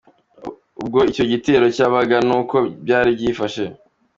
Ubwo icyo gitero cyabaga ni uko byari byifashe.